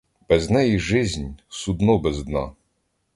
Без неї жизнь — судно без дна.